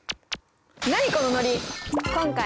何このノリ！